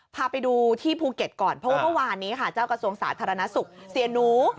พาไปดูที่ภูเก็ตก่อนเพราะว่าเมื่อวานนี้ค่ะเจ้ากระทรวงสาธารณสุขเสียหนู